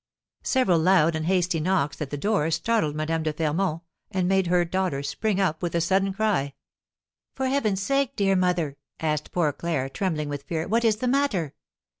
Several loud and hasty knocks at the door startled Madame de Fermont, and made her daughter spring up with a sudden cry. "For heaven's sake, dear mother," asked poor Claire, trembling with fear, "what is the matter?"